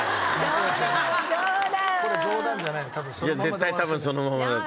絶対多分そのままだと。